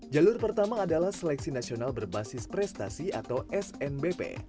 jalur pertama adalah seleksi nasional berbasis prestasi atau snbp